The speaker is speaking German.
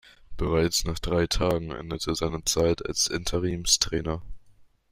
Bereits nach drei Tagen endete seine Zeit als Interimstrainer.